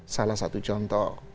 salah satu contoh